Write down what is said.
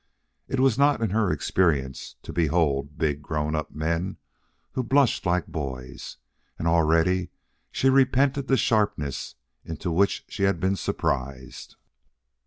It was not in her experience to behold big grown up men who blushed like boys, and already she repented the sharpness into which she had been surprised.